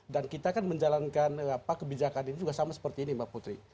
dan kita kan menjalankan kebijakan ini juga sama seperti ini mbak putri